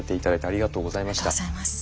ありがとうございます。